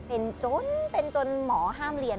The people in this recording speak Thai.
เป็นจนหมอห้ามเรียน